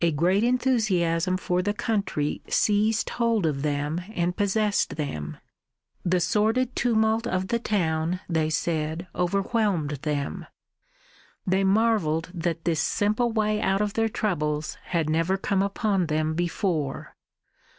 A great enthusiasm for the country seized hold of them and possessed them. The sordid tumult of the town, they said, overwhelmed them. They marvelled that this simple way out of their troubles had never come upon them before.